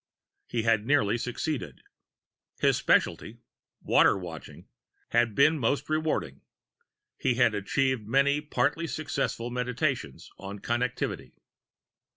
He had nearly succeeded. His specialty, Water Watching, had been most rewarding. He had achieved many partly successful meditations on Connectivity.